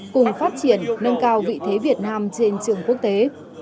cùng phát triển nâng cao vị thế việt nam trên trường quốc tế